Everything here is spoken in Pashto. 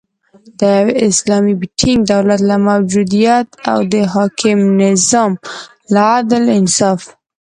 د یو اسلامی ټینګ دولت له موجودیت او د حاکم نظام له عدل، انصاف